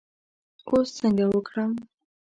اوس څنګه وکړم.